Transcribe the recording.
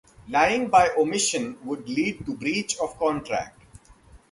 Lying by omission would lead to breach of contract.